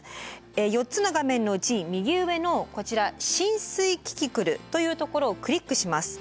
４つの画面のうち右上のこちら「浸水キキクル」というところをクリックします。